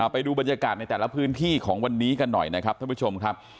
ไปดูบรรยากาศในแต่ละพื้นที่ของวันนี้กันหน่อยนะครับท่านผู้ชมครับ